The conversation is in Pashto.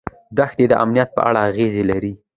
دښتې د امنیت په اړه اغېز لري.